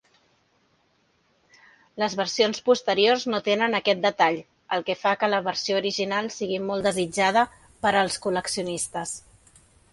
Les versions posteriors no tenen aquest detall, el que fa que la versió original sigui molt desitjada per als col·leccionistes.